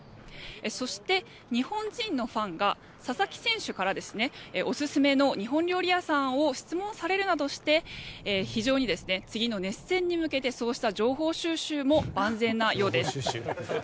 そして、日本人のファンが佐々木選手からオススメの日本料理屋さんを質問されるなどして非常に次の熱戦に向けてそうした情報収集も万全なようです。